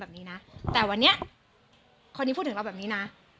แบบนี้นะแต่วันนี้คนนี้พูดถึงเราแบบนี้นะ